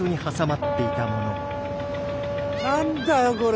何だよこれ！